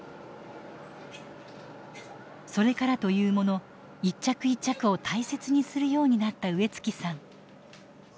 それからというもの一着一着を大切にするようになった植月さん。